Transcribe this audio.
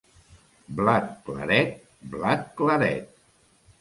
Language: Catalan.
Blat claret! Blat claret!